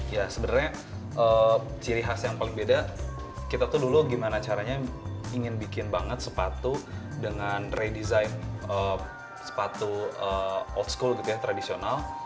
ya sebenarnya ciri khas yang paling beda kita tuh dulu gimana caranya ingin bikin banget sepatu dengan redesign sepatu old school gitu ya tradisional